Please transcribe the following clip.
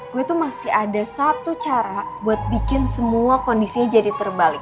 gue itu masih ada satu cara buat bikin semua kondisinya jadi terbalik